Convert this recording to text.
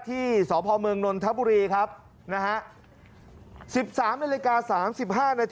ที่สพมนนทัพบุรีครับนะฮะ